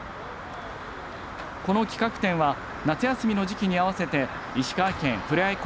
この企画展は夏休みの時期に合わせて石川県ふれあい